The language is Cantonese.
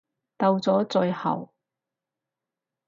到咗最後